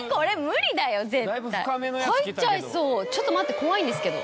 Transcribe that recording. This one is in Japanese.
入っちゃいそうちょっと待って怖いんですけど。